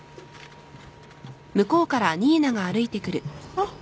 ・あっ。